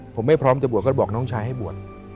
ผมไม่พร้อมจะบวชก็บอกน้องชายให้บวช